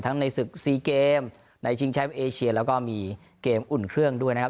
ในศึกซีเกมในชิงแชมป์เอเชียแล้วก็มีเกมอุ่นเครื่องด้วยนะครับ